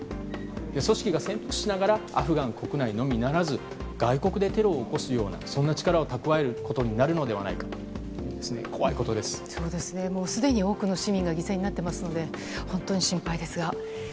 組織が潜伏しながらアフガン国内のみならず外国でテロを起こすような力をたくわえることになるのではないかすでに多くの市民が犠牲になっていますので本当に心配ですが。